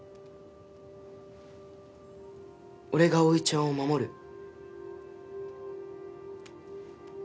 俺が葵ちゃんを守る